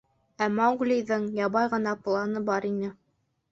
Ә Мауглиҙың ябай ғына планы бар ине.